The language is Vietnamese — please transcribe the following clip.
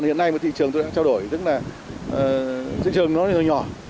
hiện nay thị trường đã trao đổi tức là thị trường rất nhỏ